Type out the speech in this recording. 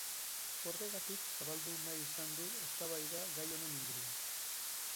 Horregatik zabaldu nahi izan du eztabaida gai honen inguruan.